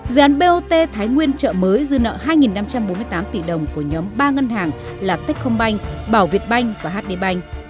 dự án bot thái nguyên trợ mới dư nợ hai năm trăm bốn mươi tám tỷ đồng của nhóm ba ngân hàng là tech không banh bảo việt banh và hd banh